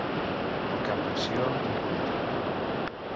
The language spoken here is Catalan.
El camp d'acció d'un polític.